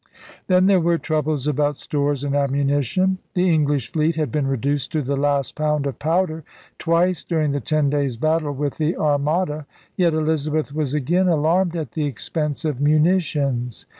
Then there were troubles about stores and ammunition. The English fleet had been reduced to the last pound of powder twice during the ten days' battle with the Armada. Yet Elizabeth was again alarmed at the expense of munitions.